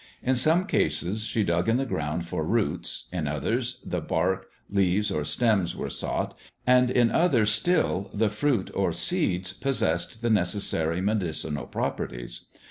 In some cases she dug in the ground for roots, in others the bark, leaves, or stems were sought, and in others still the fruit or seeds possessed the necessary medicinal properties.